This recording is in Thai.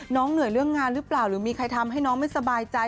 เหนื่อยเรื่องงานหรือเปล่าหรือมีใครทำให้น้องไม่สบายใจ